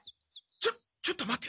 ちょちょっと待て。